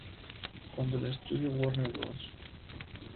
Cuando el estudio Warner Bros.